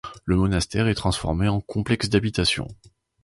Le monastère est transformé en complexe d'habitations.